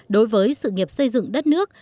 đối với sự nghiệp xây dựng đất nước